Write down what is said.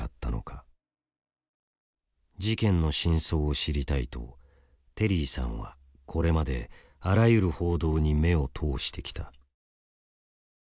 事件の真相を知りたいとテリーさんはこれまであらゆる報道に目を通してきた。